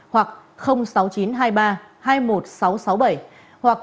hoặc sáu nghìn chín trăm hai mươi ba hai mươi một nghìn sáu trăm sáu mươi bảy